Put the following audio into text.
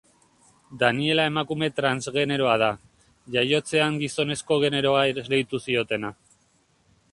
Daniela emakume transgeneroa da, jaiotzean gizonezko generoa esleitu ziotena.